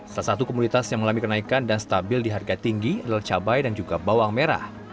salah satu komunitas yang mengalami kenaikan dan stabil di harga tinggi adalah cabai dan juga bawang merah